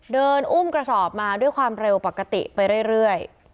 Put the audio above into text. เดินอุ้มกระสอบมาด้วยความเร็วปกติไปเรื่อย